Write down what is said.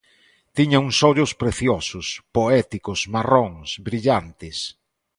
Tiña uns ollos preciosos, poéticos, marróns, brillantes.